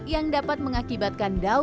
yang dapat mengakibatkan dikacau